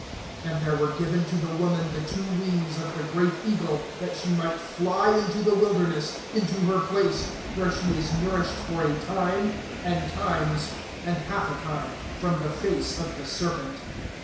(14)And there were given to the woman the two wings of the great eagle, that she might fly into the wilderness, into her place, where she is nourished for a time, and times, and half a time, from the face of the serpent.